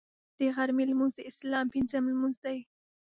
د غرمې لمونځ د اسلام پنځم لمونځ دی